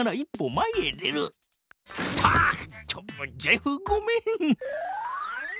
ちょっとジェフごめん。